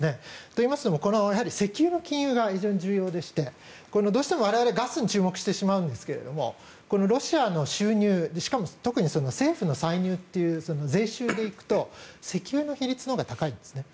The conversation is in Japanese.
といいますのも石油の禁輸が非常に重要でしてどうしても我々はガスに注目してしまうんですがロシアの収入しかも特に政府の歳入という税収で行くと石油の比率のほうが高いんですね。